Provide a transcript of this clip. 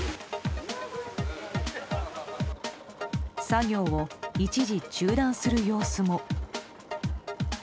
作業を一時中断する様子も。